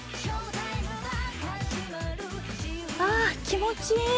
あ気持ちいい。